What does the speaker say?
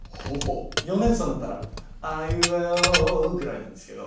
米津さんだったら「あいうえお」ぐらいなんですけど。